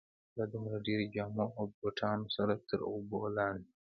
له دومره ډېرو جامو او بوټانو سره تر اوبو لاندې.